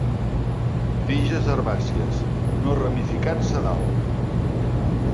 Tiges herbàcies; no ramificats a dalt.